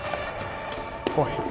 おい